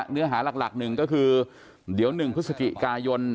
เนื้อหาหลักหนึ่งก็คือเดี๋ยว๑พฤศจิกายน